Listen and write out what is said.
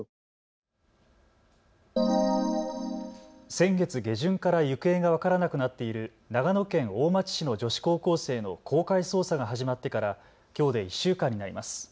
先月下旬から行方が分からなくなっている長野県大町市の女子高校生の公開捜査が始まってからきょうで１週間になります。